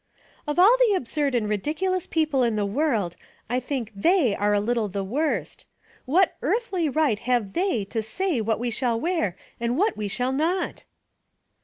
" Of all the absurd and ridiculous people in the world, I think ''they^ are a little the worst. Theory, 46 What earthly right have ' they ' to say what we shall wear and what we shall not?"